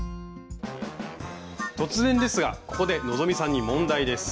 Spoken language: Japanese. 突然ですがここで希さんに問題です。